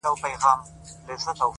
د يو وزر بې وزرو شناخت نه دی په کار’